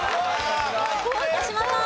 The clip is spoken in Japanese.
八嶋さん。